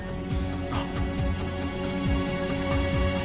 あっ。